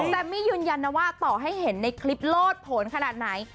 แซมมี่ยืนยันนะว่าต่อให้เห็นในคลิปโลดผลขนาดไหน